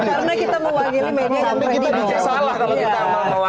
kita salah kalau kita mau mewakili media lain